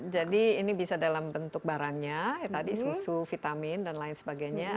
jadi ini bisa dalam bentuk barangnya tadi susu vitamin dan lain sebagainya